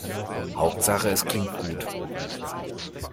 Hauptsache es klingt gut.